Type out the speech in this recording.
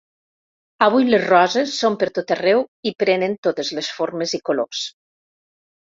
Avui les roses són per tot arreu, i prenen totes les formes i colors.